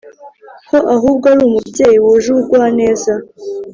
ko ahubwo ari umubyeyi wuje ubugwaneza